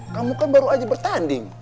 kamu kan baru aja bertanding